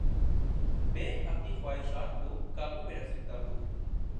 میں اپنی خواہشات کو قابو میں رکھ سکتا ہوں